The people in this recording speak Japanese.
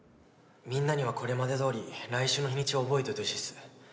みんなにはこれまでどおり来週の日にちを覚えといてほしいっす。